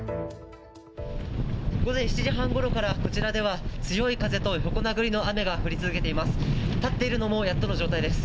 午前７時半ごろから、こちらでは強い風と横殴りの雨が降り続いています。